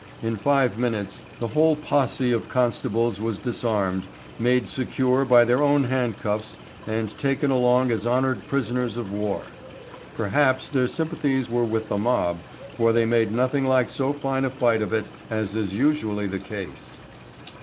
In five minutes the whole posse of constables was disarmed, made secure by their own handcuffs and taken along as honoured prisoners of war. Perhaps their sympathies were with the mob, for they made nothing like so fine a fight of it as is usually the case.